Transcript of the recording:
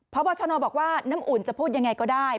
พบชนบอกว่าน้ำอุ่นจะพูดยังไงก็ได้